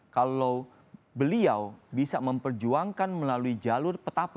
kalau beliau bisa memperjuangkan melalui jalur petapa